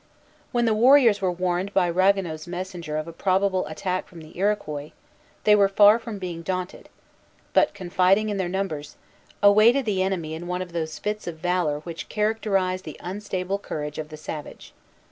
When the warriors were warned by Ragueneau's messenger of a probable attack from the Iroquois, they were far from being daunted, but, confiding in their numbers, awaited the enemy in one of those fits of valor which characterize the unstable courage of the savage.